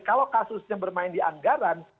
kalau kasusnya bermain di anggaran